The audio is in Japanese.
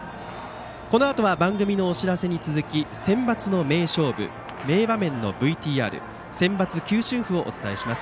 このあと番組のお知らせに続きセンバツの名勝負名場面のＶＴＲセンバツ球春譜をお伝えします。